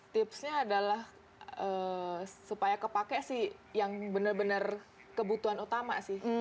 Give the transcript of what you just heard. tipsnya adalah supaya kepake sih yang benar benar kebutuhan utama sih